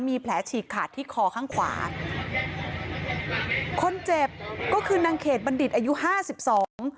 มีแผลฉีกขาดที่คอข้างขวาคนเจ็บก็คือนางเขตบัณฑิตอายุห้าสิบสอง